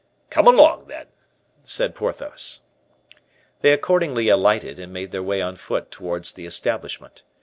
"Come along, then," said Porthos. They accordingly alighted and made their way on foot towards the establishment.